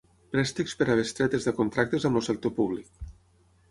Préstecs per a bestretes de contractes amb el sector públic.